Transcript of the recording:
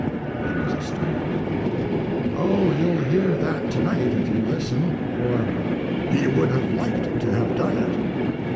[There was a stir.] Oh, you'll hear that to night if you listen, or, "He would have liked to have done it."